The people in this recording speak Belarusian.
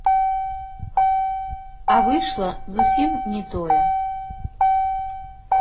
А выйшла зусім не тое.